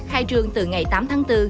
khai trương từ ngày tám tháng bốn